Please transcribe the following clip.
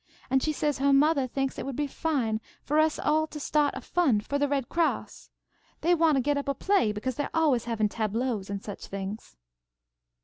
And she says her mothah thinks it would be fine for us all to start a fund for the Red Cross. They wanted to get up a play because they're always havin' tableaux and such things.